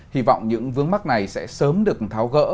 hy vọng những vướng mắt này sẽ sớm được tháo gỡ